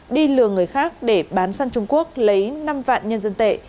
đi lừa người khác để bán sang trung quốc lấy năm vạn nhân dân tệ